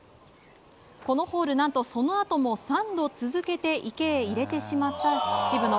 このホール何とそのあとも３度続けて池へ入れてしまった渋野。